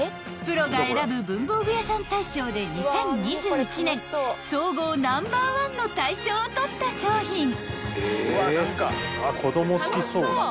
［プロが選ぶ文房具屋さん大賞で２０２１年総合ナンバーワンの大賞を取った商品］